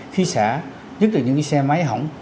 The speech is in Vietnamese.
khi xả nhất là những cái xe máy hỏng